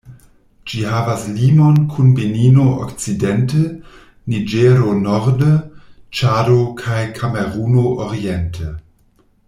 Ĝi havas limon kun Benino okcidente, Niĝero norde, Ĉado kaj Kameruno oriente.